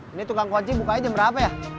ini tukang kunci bukanya jam berapa ya